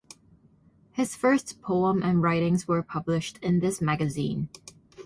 His first poems and writings were published in this magazine.